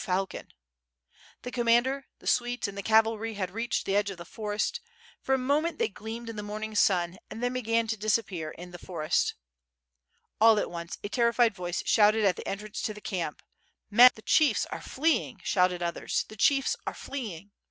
Falcon!^ The commander, the suite, and the cavalry had reached the edge of the forest; for a moment they gleamed in the morning sun and then began to disappear in the forest. All at once a terrified voice shouted at the entrance to the camp: 820 ^^^^^^^^^^^^ SWORD. "Men save yourselves!" "The chiefs are fleeing!" shouted others. "The chiefs are fleeing!"